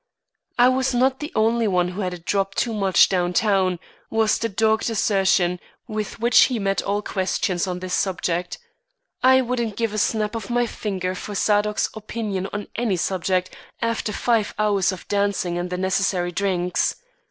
"I was not the only one who had a drop too much down town," was the dogged assertion with which he met all questions on this subject. "I wouldn't give a snap of my finger for Zadok's opinion on any subject, after five hours of dancing and the necessary drinks.